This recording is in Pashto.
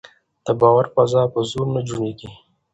د باور فضا په زور نه جوړېږي